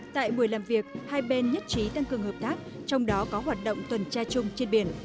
tại buổi làm việc hai bên nhất trí tăng cường hợp tác trong đó có hoạt động tuần tra chung trên biển